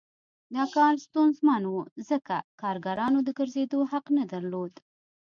دا کار ستونزمن و ځکه کارګرانو د ګرځېدو حق نه درلود